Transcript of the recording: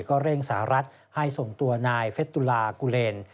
ก็เร่งสหรัฐให้ส่งตัวนายเฟสตุลากูเลน